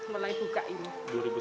mulai buka ini